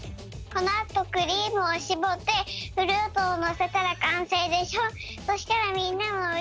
このあとクリームをしぼってフルーツをのせたらかんせいでしょ。